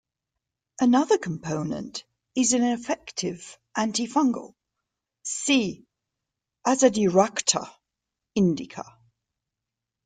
Another component is an effective anti-fungal; see "Azadirachta indica".